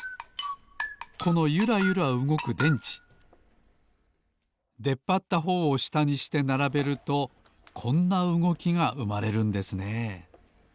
このゆらゆらうごく電池でっぱったほうをしたにしてならべるとこんなうごきがうまれるんですね